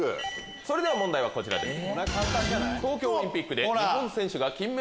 それでは問題はこちらです。